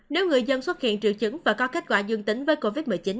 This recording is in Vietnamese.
nếu người dân xuất hiện triệu chứng và có kết quả dương tính với covid một mươi chín